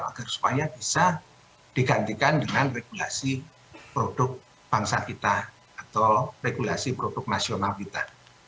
agar supaya bisa digantikan dengan regulasi produk bangsa kita atau regulasi produk nasional kita